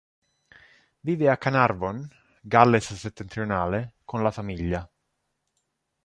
Vive a Caernarfon, Galles settentrionale, con la famiglia.